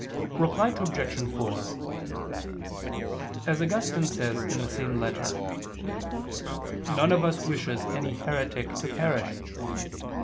Reply Obj. 4: As Augustine says in the same letter, "none of us wishes any heretic to perish.